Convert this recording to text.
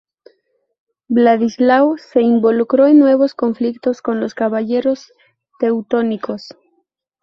Vladislao se involucró en nuevos conflictos con los Caballeros Teutónicos.